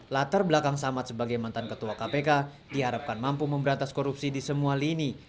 latar belakang samad sebagai mantan ketua kpk diharapkan mampu memberantas korupsi di semua lini